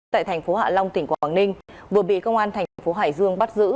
tại thành phố hạ long tỉnh quảng ninh vừa bị công an thành phố hải dương bắt giữ